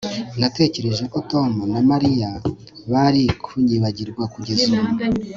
Natekereje ko Tom na Mariya bari kunyibagirwa kugeza ubu